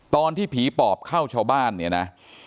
ตอนที่ผีปอบเข้าชาวบ้านเนี่ยนะ